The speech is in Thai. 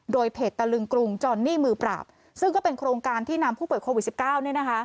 โดยเผจตะลึงกรุงจอนหนี้มือปราบซึ่งก็เป็นโครงการที่นำผู้เปิดโควิด๑๙